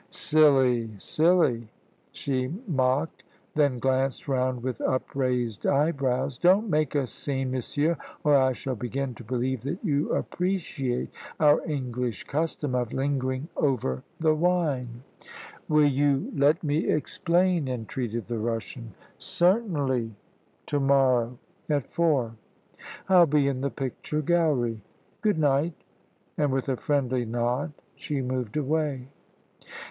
"Silly silly," she mocked, then glanced round with up raised eyebrows; "don't make a scene, monsieur, or I shall begin to believe that you appreciate our English custom of lingering over the wine." "Will you let me explain?" entreated the Russian. "Certainly to morrow, at four. Ill be in the picture gallery. Good night"; and with a friendly nod she moved away.